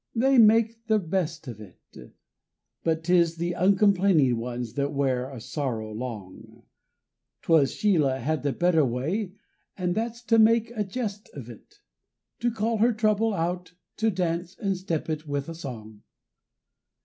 they make the best of it, But 'tis the uncomplaining ones that wear a sorrow long, 'Twas Sheila had the better way and that's to make a jest of it, To call her trouble out to dance and step it with a song.